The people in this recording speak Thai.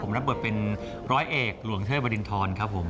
รับบทเป็นร้อยเอกหลวงเทพวรินทรครับผม